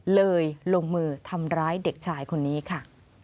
ลงมือทำร้ายเด็กชายคนนี้ค่ะ